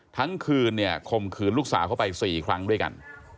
ทั้งคืนเนี่ยข่มขืนลูกสาวเข้าไป๔ครั้งด้วยกัน